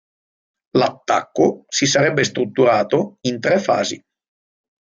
L'attacco si sarebbe strutturato in tre fasi.